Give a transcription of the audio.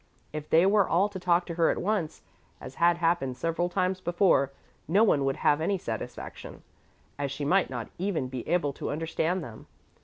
If they were all to talk to her at once, as had happened several times before, no one would have any satisfaction, as she might not even be able to understand them.